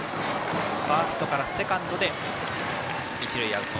ファーストからセカンドで一塁アウト。